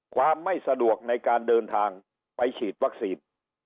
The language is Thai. ความไม่สะดวกในการเดินทางไปฉีดวัคซีน